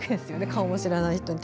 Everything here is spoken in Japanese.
顔も知らない人に。